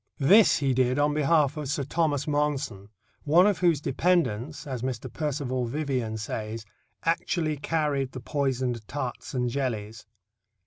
This he did on behalf of Sir Thomas Monson, one of whose dependants, as Mr. Percival Vivian says, "actually carried the poisoned tarts and jellies."